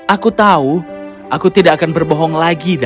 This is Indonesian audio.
aku tahu aku tidak akan berbohong lagi